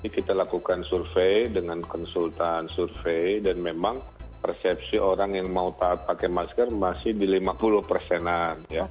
kita lakukan survei dengan konsultan survei dan memang persepsi orang yang mau pakai masker masih di lima puluh persenan